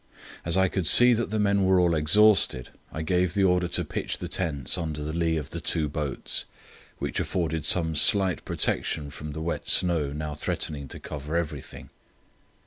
As I could see that the men were all exhausted I gave the order to pitch the tents under the lee of the two boats, which afforded some slight protection from the wet snow now threatening to cover everything.